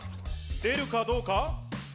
出るかどうか？